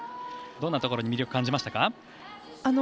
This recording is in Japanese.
どんなところに魅力感じましたか。